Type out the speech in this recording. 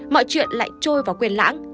mọi chuyện lại trôi vào quyền lãng